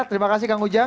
terima kasih kang ujang